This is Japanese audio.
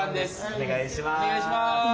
お願いします。